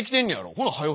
ほなはよ